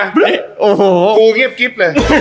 กูเงียบเกี๊บเลย